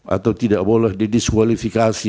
atau tidak boleh didiskualifikasi